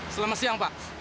selamat siang pak